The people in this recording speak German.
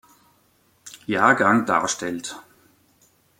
Jahrgang darstellt.